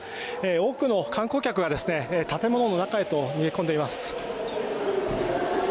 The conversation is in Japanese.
多くの観光客が建物の中へと逃げ込んでいます。